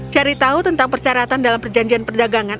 cari tahu tentang persyaratan dalam perjanjian perdagangan